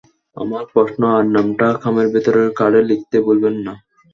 আপনার প্রশ্ন আর নামটা খামের ভেতরের কার্ডে লিখতে ভুলবেন না।